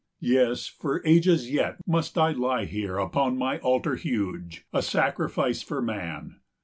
Yes, for ages yet 340 Must I lie here upon my altar huge, A sacrifice for man.